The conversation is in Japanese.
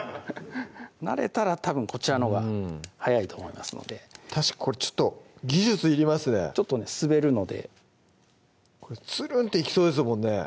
慣れたらたぶんこちらのほうが早いと思いますのでこれちょっと技術いりますねちょっとね滑るのでこれツルンっていきそうですもんね